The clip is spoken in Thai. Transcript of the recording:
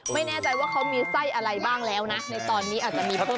ไม่แน่ใจว่าเขามีไส้อะไรบ้างแล้วนะในตอนนี้อาจจะมีเพิ่ม